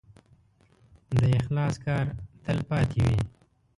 د اخلاص کار تل پاتې وي.